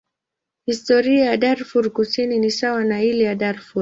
Historia ya Darfur Kusini ni sawa na ile ya Darfur.